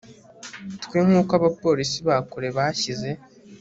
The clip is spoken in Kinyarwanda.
twe nkuko abapolisi ba kure bashyize